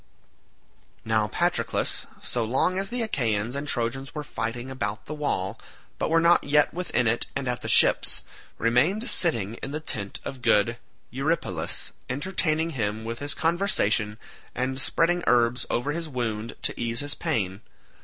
Now Patroclus, so long as the Achaeans and Trojans were fighting about the wall, but were not yet within it and at the ships, remained sitting in the tent of good Eurypylus, entertaining him with his conversation and spreading herbs over his wound to ease his pain.